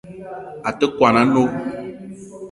A te kwuan a-nnó